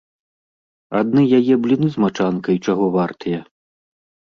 Адны яе бліны з мачанкай чаго вартыя!